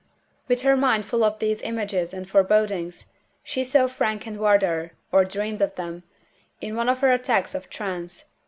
With her mind full of these images and forebodings, she saw Frank and Wardour (or dreamed of them) in one of her attacks of trance.